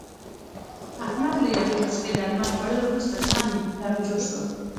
احمد له یوې نسخې درمل خوړلو ورسته، سم دم شو.